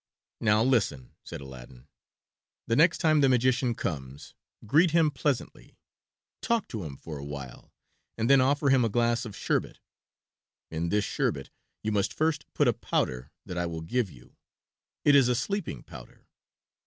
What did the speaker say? "Now, listen," said Aladdin. "The next time the magician comes greet him pleasantly. Talk to him for awhile, and then offer him a glass of sherbet. In this sherbet you must first put a powder that I will give you. It is a sleeping powder.